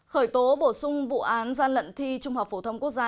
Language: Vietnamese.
khởi tố bổ sung vụ án gian lận thi trung học phổ thông quốc gia